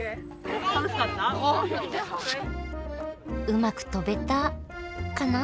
うまく飛べたカナ？